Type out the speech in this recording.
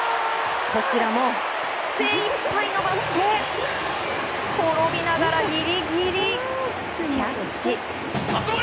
こちらも精いっぱい伸ばして転びながら、ギリギリキャッチ。